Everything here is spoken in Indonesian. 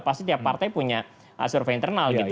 pasti tiap partai punya survei internal gitu